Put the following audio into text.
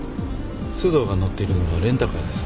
須藤が乗っているのはレンタカーです。